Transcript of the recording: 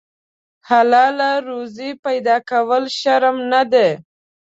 حلاله روزي پیدا کول شرم نه دی.